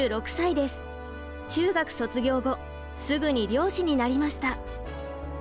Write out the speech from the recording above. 中学卒業後すぐに漁師になりました。